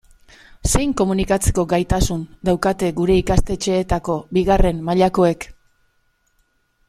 Zein komunikatzeko gaitasuna daukate gure ikastetxeetako bigarren mailakoek?